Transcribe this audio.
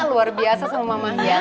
luar biasa sama mamah ya